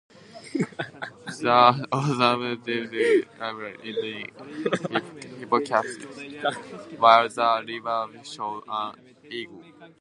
The obverse depicts Liberty riding a Hippocampus, while the reverse shows an eagle.